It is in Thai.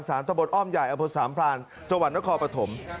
ตำรวจอ้อมใหญ่อสามพรานจคปฐม